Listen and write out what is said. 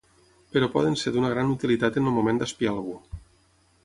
Però poden ser d’una gran utilitat en el moment d’espiar algú.